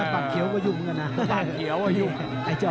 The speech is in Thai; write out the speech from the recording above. ปากเขียวก็หยุ่งกันน่ะ